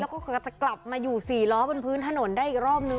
แล้วก็จะกลับมาอยู่๔ล้อบนพื้นถนนได้อีกรอบนึง